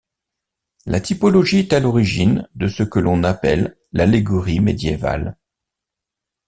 La typologie est à l'origine de ce que l'on appelle l'allégorie médiévale.